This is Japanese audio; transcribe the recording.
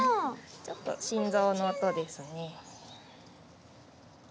ちょっと心臓の音ですね。